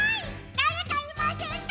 だれかいませんか！？